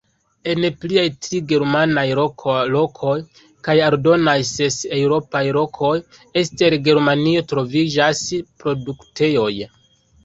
En pliaj tri germanaj lokoj kaj aldonaj ses eŭropaj lokoj ekster Germanio troviĝas produktejoj.